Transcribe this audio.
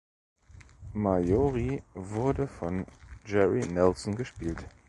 Marjorie wurde von Jerry Nelson gespielt.